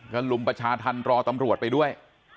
ก็ลุมประชาธรรมรอตำรวจไปด้วย